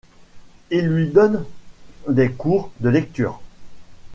Il lui donne des cours de lectures.